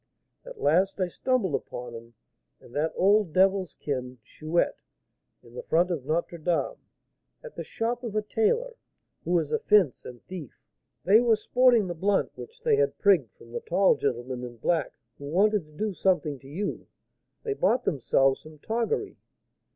At last I stumbled upon him and that old devil's kin, Chouette, in the front of Notre Dame, at the shop of a tailor, who is a 'fence' and thief; they were 'sporting the blunt' which they had prigged from the tall gentleman in black, who wanted to do something to you; they bought themselves some toggery.